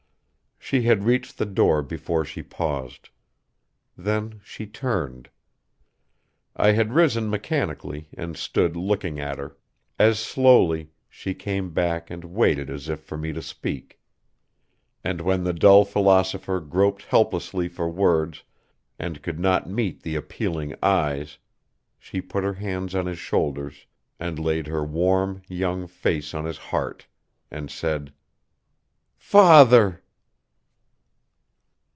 She had reached the door before she paused. Then she turned. I had risen mechanically and stood looking at her. As slowly she came back and waited as if for me to speak. And when the dull philosopher groped helplessly for words and could not meet the appealing eyes, she put her hands on his shoulders, and laid her warm, young face on his heart, and said, "Father!"